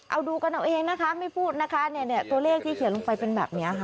เอาดูกันเอาเองนะคะไม่พูดนะคะเนี่ยตัวเลขที่เขียนลงไปเป็นแบบนี้ค่ะ